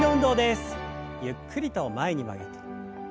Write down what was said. ゆっくりと前に曲げて。